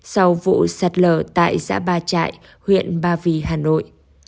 sau vụ sạt lở tại xã ba trại huyện ba vì hà nội